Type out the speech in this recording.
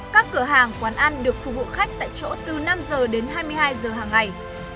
các cửa hàng quán ăn được phục vụ khách tại chỗ từ năm giờ đến hai mươi hai giờ hàng ngày